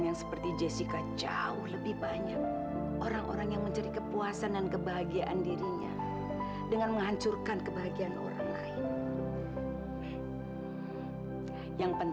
yang penting kamu tidak kehilangan iman dan kehormatan